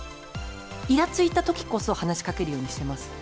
いらついたときこそ、話しかけるようにしてます。